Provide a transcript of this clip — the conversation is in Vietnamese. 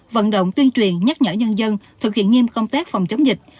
vận động tuyên truyền nhắc nhở nhân dân thực hiện nghiêm công tác phòng chống dịch